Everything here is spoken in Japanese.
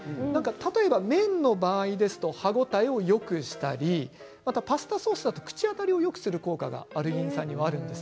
例えば、麺の場合ですと歯応えをよくしたりパスタソースは口当たりをよくする効果がアルギン酸にはあるんです。